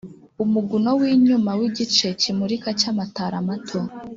Umuguno w'inyuma w'igice kimurika cy'amatara mato